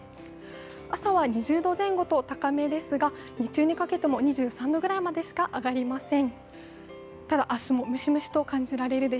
朝は２０度前後と高めですが、日中にかけても２３度くらいまでしか上がりません。